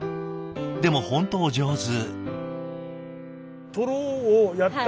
でも本当お上手。